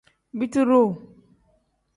Biti duu.